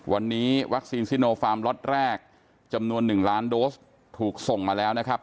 วันนี้วัคซีนซิโนฟาร์มล็อตแรกจำนวน๑ล้านโดสถูกส่งมาแล้วนะครับ